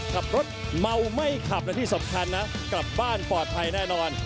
ขับรถเมาไม่ขับและที่สำคัญนะกลับบ้านปลอดภัยแน่นอน